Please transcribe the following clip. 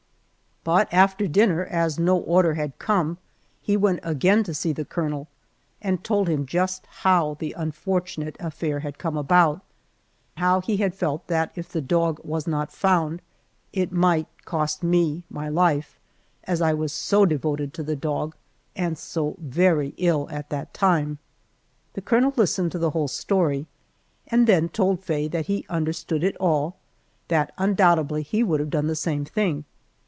But after dinner, as no order had come, he went again to see the colonel and told him just how the unfortunate affair had come about, how he had felt that if the dog was not found it might cost me my life, as I was so devoted to the dog and so very ill at that time. The colonel listened to the whole story, and then told Faye that he understood it all, that undoubtedly he would have done the same thing!